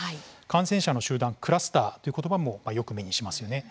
感染者の集団、クラスターという言葉もよく目にしますよね。